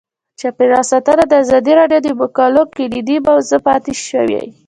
چاپیریال ساتنه د ازادي راډیو د مقالو کلیدي موضوع پاتې شوی.